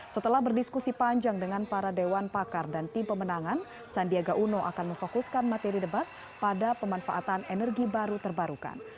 setelah berdiskusi panjang dengan para dewan pakar dan tim pemenangan sandiaga uno akan memfokuskan materi debat pada pemanfaatan energi baru terbarukan